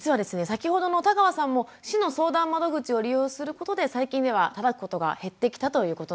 先ほどの田川さんも市の相談窓口を利用することで最近ではたたくことが減ってきたということなんです。